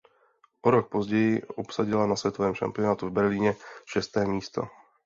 O rok později obsadila na světovém šampionátu v Berlíně šesté místo.